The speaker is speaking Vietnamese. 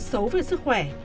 xấu về sức khỏe